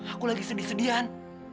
aku lagi sedih sedian